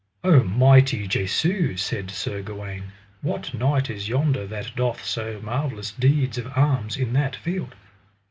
O mercy Jesu, said Sir Gawaine, what knight is yonder that doth so marvellous deeds of arms in that field?